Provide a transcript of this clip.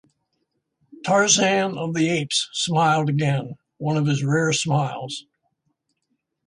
Tarzan of the Apes smiled again, one of his rare smiles.